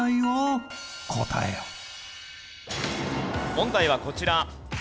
問題はこちら。